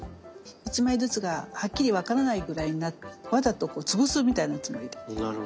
一枚ずつがはっきり分からないぐらいにわざとこう潰すみたいなつもりで。